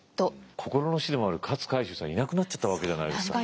心の師でもある勝海舟さんいなくなっちゃったわけじゃないですか。